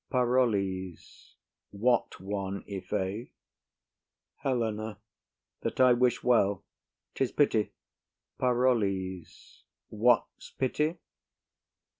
PAROLLES. What one, i' faith? HELENA. That I wish well. 'Tis pity— PAROLLES. What's pity?